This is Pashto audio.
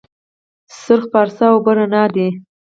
سرخ پارسا اوبه رڼې دي؟